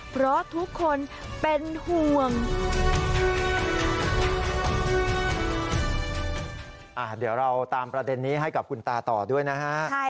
เพราะทุกคนเป็นห่วง